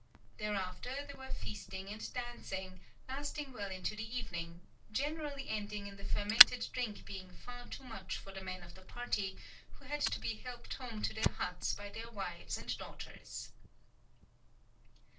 Thereafter there were feasting and dancing, lasting well into the evening, generally ending in the fermented drink being far too much for the men of the party, who had to be helped home to their huts by their wives and daughters.